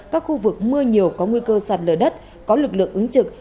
các khu vực mưa nhiều có nguy cơ sạt lở đất có lực lượng ứng trực